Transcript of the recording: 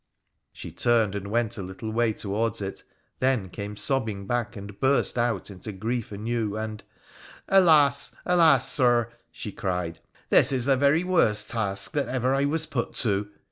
She turned and went a little way towards it, then came sobbing back, and burst out into grief anew, and ' Alas ! alas ! Sir,' she cried, ' this is the very worst task that ever I was put to